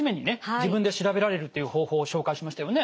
自分で調べられるという方法を紹介しましたよね。